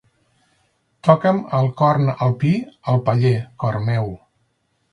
Toca'm el corn alpí al paller, cor meu.